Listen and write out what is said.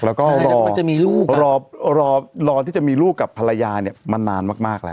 แล้วก็รอที่จะมีลูกกับภรรยาเนี่ยมานานมากแล้ว